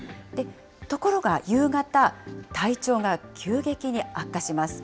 ところが夕方、体調が急激に悪化します。